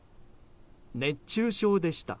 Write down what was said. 熱中症でした。